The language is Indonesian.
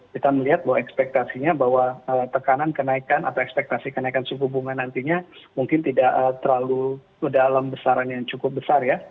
kita melihat bahwa ekspektasinya bahwa tekanan kenaikan atau ekspektasi kenaikan suku bunga nantinya mungkin tidak terlalu dalam besaran yang cukup besar ya